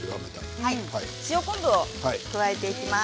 塩昆布を加えていきます。